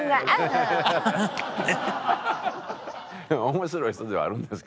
面白い人ではあるんですけどもね。